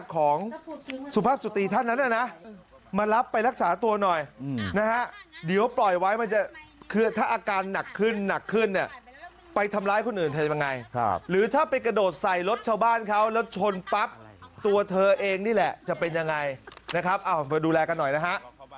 คือถ้าอาการหนักขึ้นหนักขึ้นเนี่ยไปทำร้ายคนอื่นจะเป็นยังไงหรือถ้าไปกระโดดใส่รถชาวบ้านเขาแล้วชนปั๊บตัวเธอเองนี่แหละจะเป็นยังไงนะครับอ้าวมาดูแลกันหน่อยนะฮะ